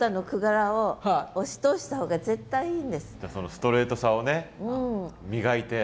そのストレートさをね磨いて。